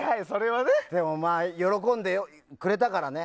でも喜んでくれたから。